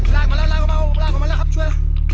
ลากมาแล้วลากออกมาลากออกมาแล้วครับช่วย